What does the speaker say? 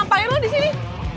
apaan lo disini